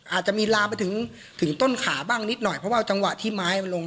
อาจจะมีลามไปถึงถึงต้นขาบ้างนิดหน่อยเพราะว่าจังหวะที่ไม้มันลง